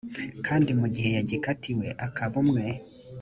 kandi mu gihe yagikatiwe akaba umwe